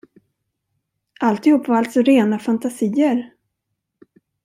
Alltihop var alltså rena fantasier?